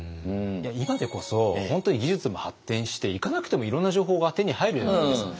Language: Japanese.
今でこそ本当に技術も発展して行かなくてもいろんな情報が手に入るじゃないですか。